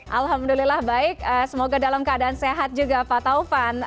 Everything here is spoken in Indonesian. alhamdulillah baik semoga dalam keadaan sehat juga pak taufan